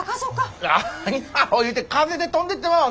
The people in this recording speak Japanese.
何アホ言うて風で飛んでってまうわ。